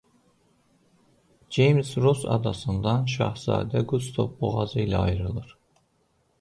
Ceyms Ross adasından Şahzadə Qustav boğazı ilə ayrılır.